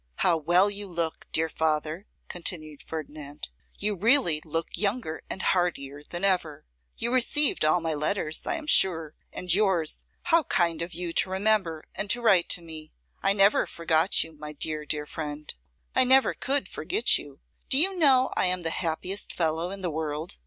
'How well you look, dear father!' continued Ferdinand; 'you really look younger and heartier than ever. You received all my letters, I am sure; and yours, how kind of you to remember and to write to me! I never forgot you, my dear, dear friend. I never could forget you. Do you know I am the happiest fellow in the world?